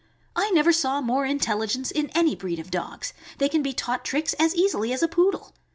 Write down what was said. I never saw more intelligence in any breed of dogs; they can be taught tricks as easily as a Poodle.